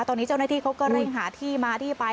ตอนนี้เจ้าหน้าที่เขาก็เร่งหาที่มาที่ไป